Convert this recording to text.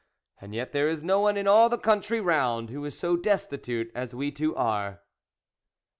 And, yet, there is no one in all the country round who is so destitute as we two are."